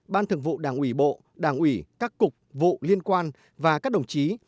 ban thường vụ đảng ủy bộ đảng ủy các cục vụ liên quan và các đồng chí